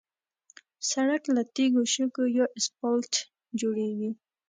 سړک له تیږو، شګو یا اسفالت جوړېږي.